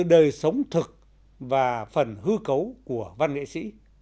phần từ đời sống thực và phần hư cấu của văn nghệ sĩ